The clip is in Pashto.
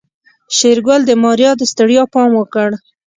شېرګل د ماريا د ستړيا پام وکړ.